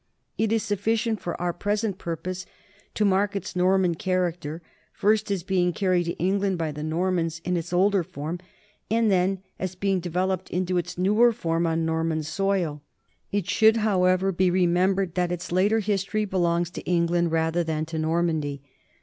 It is suffi cient for our present purpose to mark its Norman char acter, first as being carried to England by the Normans in its older form, and then as being developed into its newer form on Norman soil. It should, however, be remembered that its later history belongs to England rather than to Normandy.